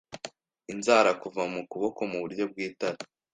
Inzara kuva mu kuboko muburyo bw'itara